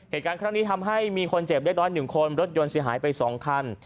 เหตุการณ์ครั้งนี้ทำให้มีคนเจ็บเล็กน้อย๑คนรถยนต์เสียหายไป๒คัน